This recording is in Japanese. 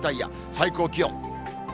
最高気温。